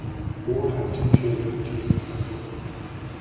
Ward has two children, Jason and Brooke.